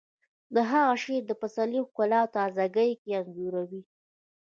د هغه شعر د پسرلي ښکلا او تازه ګي انځوروي